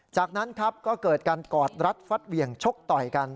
จากนั้นครับก็เกิดการกอดรัดฟัดเหวี่ยงชกต่อยกัน